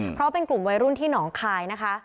เพราะเป็นกลุ่มวัยรุ่นที่หนองคายนะคะ